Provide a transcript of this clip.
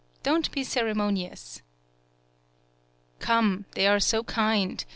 Don't be cere monious." "Come, they are so kind.